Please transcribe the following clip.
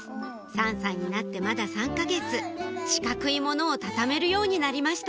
３歳になってまだ３か月四角いものを畳めるようになりました